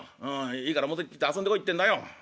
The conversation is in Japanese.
いいから表行って遊んでこいってんだよ」。